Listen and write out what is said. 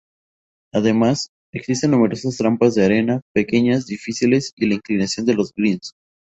Además, existen numerosas trampas de arena, pequeñas, difíciles, y la inclinación de los greens.